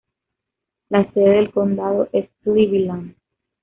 La sede del condado es Cleveland.